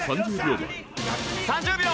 ３０秒！